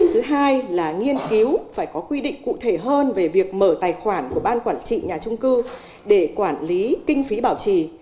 thứ hai là nghiên cứu phải có quy định cụ thể hơn về việc mở tài khoản của ban quản trị nhà trung cư để quản lý kinh phí bảo trì